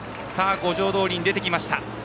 五条通に出てきました。